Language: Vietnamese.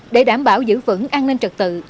để đảm bảo giữ vững an ninh trật tự